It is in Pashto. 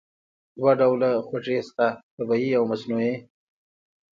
دوه ډوله خوږې شته: طبیعي او مصنوعي.